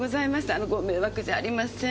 あのご迷惑じゃありません？